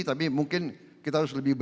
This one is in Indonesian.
tapi mungkin kita harus lebih